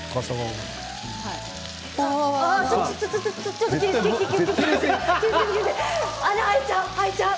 ちょっと穴が開いちゃう。